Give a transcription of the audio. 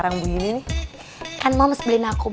aku mau pergi